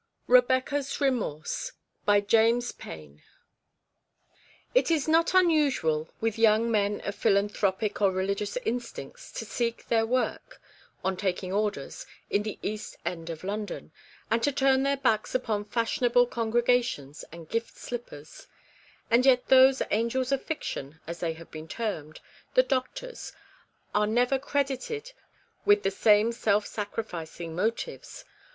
REBECCA'S REMORSE. BY JAMES PAYN. IT is not unusual with young men of philanthropical or re ligious instincts to seek their work, on taking orders, in the East End of London, and to turn their backs upon fashionable congregations and gift slippers ; and yet those " angels of fiction," as they have been termed, the doctors, are never credited with the same self sacrificing motives.